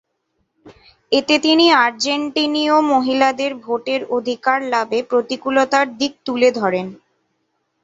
এতে তিনি আর্জেন্টেনীয় মহিলাদের ভোটের অধিকার লাভে প্রতিকূলতার দিক তুলে ধরেন।